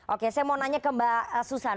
oke saya mau nanya ke mbak susan